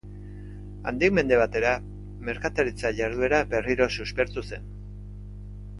Handik mende batera merkataritza jarduera berriro suspertu zen.